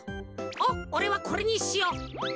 おっおれはこれにしよう。